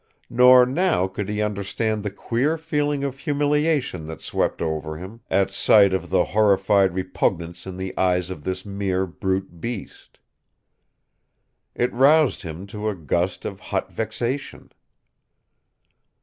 Nor now could he understand the queer feeling of humiliation that swept over him at sight of the horrified repugnance in the eyes of this mere brute beast. It roused him to a gust of hot vexation.